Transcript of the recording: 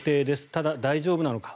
ただ、大丈夫なのか。